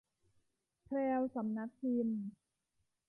แพรวสำนักพิมพ์